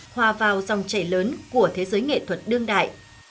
hòa vào dòng chảy lớn của thế giới nghệ thuật đương đại